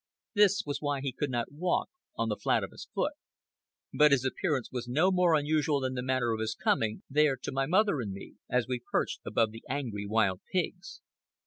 This was why he could not walk on the flat of his foot. But his appearance was no more unusual than the manner of his coming, there to my mother and me as we perched above the angry wild pigs.